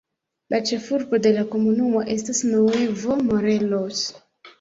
La ĉefurbo de la komunumo estas Nuevo Morelos.